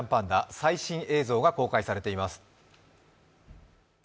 最新映像が公開されています。